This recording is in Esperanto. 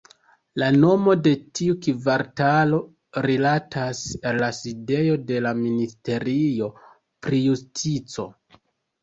La nomo de tiu kvartalo rilatas al la sidejo de la Ministerio pri Justico.